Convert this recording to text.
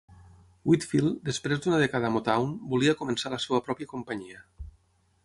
Whitfield, després d'una dècada a Motown, volia començar la seva pròpia companyia.